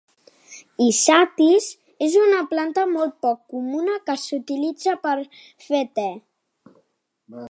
Isatis és una planta molt poc comuna que s'utilitza per fer te.